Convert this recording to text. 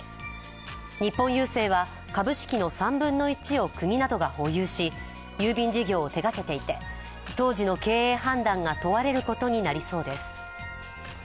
日本郵政は株式の３分の１を国などが保有し、郵便事業を手がけていて当時の経営判断が問われることになりそうです。